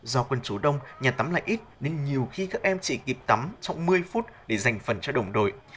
do quân số đông nhà tắm lại ít nên nhiều khi các em chỉ kịp tắm trong một mươi phút để dành phần cho đồng đội